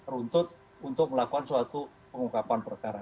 runtut untuk melakukan suatu pengungkapan perkara